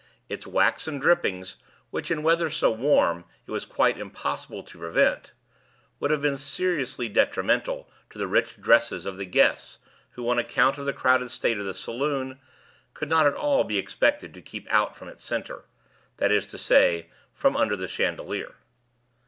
Its waxen drippings (which, in weather so warm, it was quite impossible to prevent) would have been seriously detrimental to the rich dresses of the guests, who, on account of the crowded state of the saloon, could not all be expected to keep from out its centre; that is to say, from under the chandelier.